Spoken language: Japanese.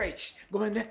ごめんね。